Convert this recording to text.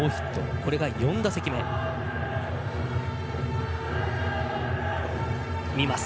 これが４打席目です。